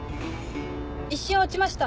一瞬落ちました。